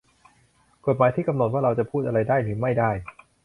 กฎหมายที่กำหนดว่าเราจะพูดอะไรได้หรือไม่ได้